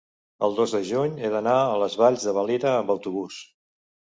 el dos de juny he d'anar a les Valls de Valira amb autobús.